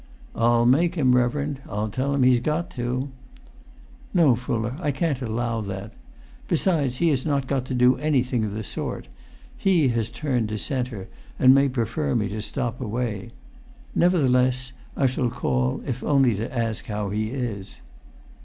"I'll make him, reverend, I'll tell him he's got to." "No, Fuller, I can't allow that. Besides, he has not got to do anything of the sort; he has turned dissenter, and may prefer me to stop away. Nevertheless I shall call, if only to ask how he is."